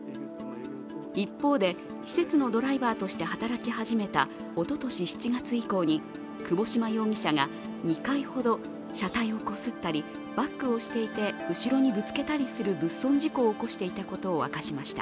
一方で、施設のドライバーとして働き始めたおととし７月以降に窪島容疑者が２回ほど車体をこすったりバックをしていて後ろにぶつけたりする物損事故を起こしていたことを明かしました。